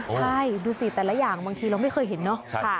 ใช่ดูสิแต่ละอย่างบางทีเราไม่เคยเห็นเนอะ